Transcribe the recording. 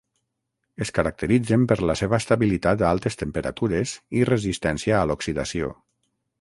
Es caracteritzen per la seva estabilitat a altes temperatures i resistència a l'oxidació.